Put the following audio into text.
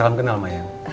salam kenal mayang